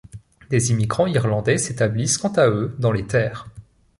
Des immigrants irlandais s'établissent quant à eux dans les terres.